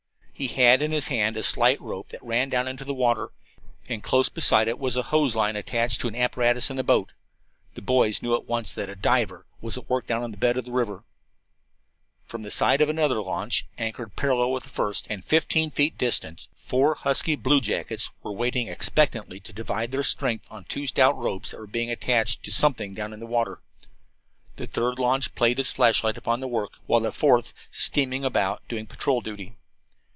He had in his hand a slight rope that ran down into the water, and close beside it was a hose line attached to an apparatus in the boat. The boys knew at once that a diver was at work down on the river bed. From the side of another launch anchored parallel with the first, and fifteen feet distant, four husky bluejackets were waiting expectantly to divide their strength on two stout ropes that were being attached to something down in the water. The third launch played its flashlight upon the work, while the fourth steamed about, doing patrol duty.